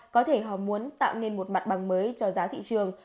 có thể họ muốn tạo nên một mặt bằng mới cho giá thị trường